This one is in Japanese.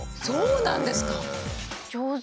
そうなんですか！